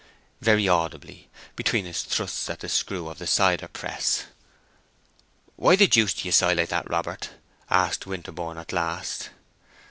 very audibly, between his thrusts at the screw of the cider press. "Why the deuce do you sigh like that, Robert?" asked Winterborne, at last.